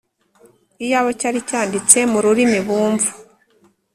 iyaba cyari cyanditse mu rurimi bumva.